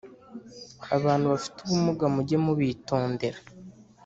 abantu bafite ubumuga mujye mubitondera